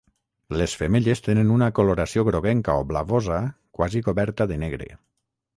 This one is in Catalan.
Les femelles tenen una coloració groguenca o blavosa quasi coberta de negre.